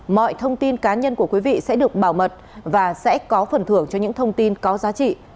mọi thông tin cá nhân của quý vị sẽ được bảo mật và sẽ có phần thưởng cho những thông tin có giá trị